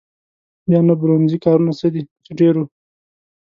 بیا نو برونزي کارونه څه دي چې ډېر وو.